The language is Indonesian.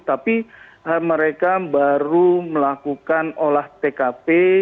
tapi mereka baru melakukan olah tkp